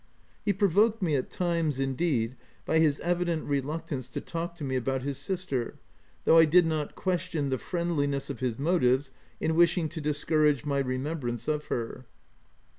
He provoked me at times, indeed, by his evident reluctance to talk to me about his sister, though I did not question the friend liness of his motives in wishing to discourage my remembrance of her.